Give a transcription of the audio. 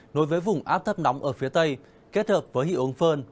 nối với vùng áp thấp nóng ở phía tây kết hợp với hịu ống phơn